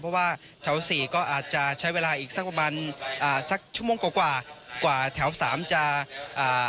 เพราะว่าแถวสี่ก็อาจจะใช้เวลาอีกสักประมาณอ่าสักชั่วโมงกว่ากว่ากว่าแถวสามจะอ่า